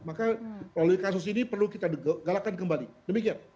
maka melalui kasus ini perlu kita galakkan kembali demikian